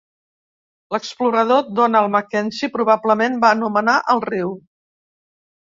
L'explorador Donald Mackenzie probablement va anomenar el riu.